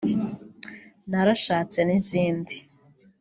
“Narashatse” n’izindi